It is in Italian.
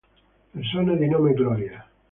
Persone di nome Gloria